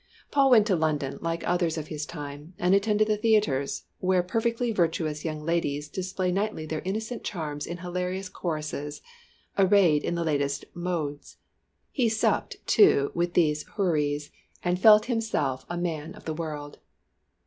Paul went to London like others of his time, and attended the theatres, where perfectly virtuous young ladies display nightly their innocent charms in hilarious choruses, arrayed in the latest modes. He supped, too, with these houris and felt himself a man of the world.